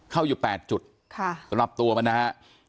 เข้าอยู่๘จุดสำหรับตัวมันนะครับ